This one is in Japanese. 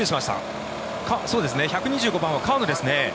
１２５番は川野ですね。